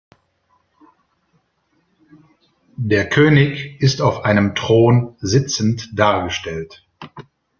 Der König ist auf einem Thron sitzend dargestellt.